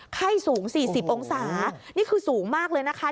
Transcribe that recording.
ไข้สูง๔๐องศานี่คือสูงมากเลยนะคะ